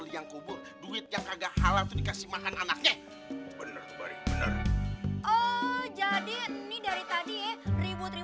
liang kubur duit yang kagak halal dikasih makan anaknya bener bener jadi ini dari tadi ya ribut